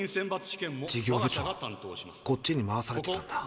事業部長こっちに回されてたんだ。